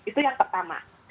itu yang pertama